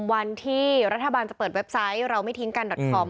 วันที่รัฐบาลจะเปิดเว็บไซต์เราไม่ทิ้งการดอตคอม